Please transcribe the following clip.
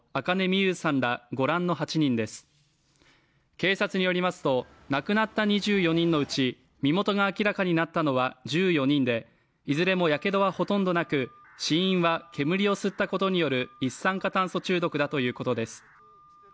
警察によりますと、亡くなった２４人のうち身元が明らかになったのは１４人で、いずれもやけどはほとんどなく、死因は煙を吸ったことによる一酸化炭素中毒だということです。